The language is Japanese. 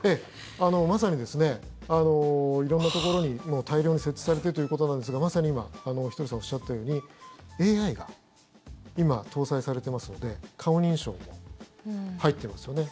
まさに色んなところに大量に設置されてということなんですがまさに今、ひとりさんがおっしゃったようにＡＩが今、搭載されてますので顔認証、入ってますよね。